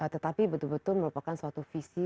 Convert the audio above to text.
tetapi betul betul merupakan suatu visi